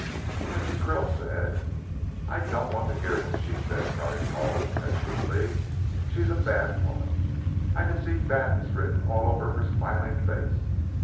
"But Mrs. Krill said " "I don't want to hear what she said," cried Paul, impetuously; "she is a bad woman. I can see badness written all over her smiling face.